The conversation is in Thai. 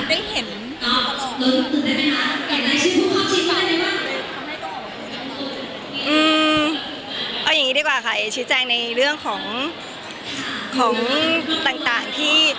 เอาอย่างนี้ดีกว่าค่ะเอ๋ชี้แจงในเรื่องของของต่างที่